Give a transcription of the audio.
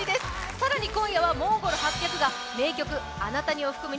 さらに今夜はＭＯＮＧＯＬ８００が名曲「あなたに」を含む